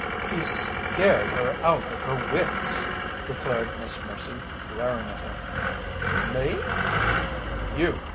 "He's scared her out of her wits," declared Miss Mercy, glaring at him. "Me?"